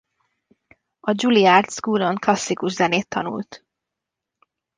A Juilliard School-on klasszikus zenét tanult.